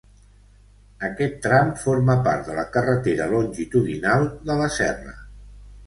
Aquest tram forma part de la Carretera Longitudinal de la Serra.